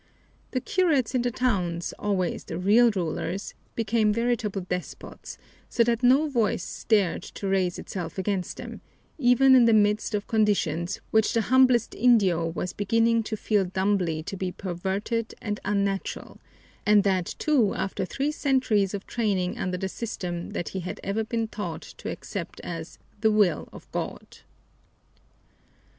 The curates in the towns, always the real rulers, became veritable despots, so that no voice dared to raise itself against them, even in the midst of conditions which the humblest indio was beginning to feel dumbly to be perverted and unnatural, and that, too, after three centuries of training under the system that he had ever been taught to accept as "the will of God."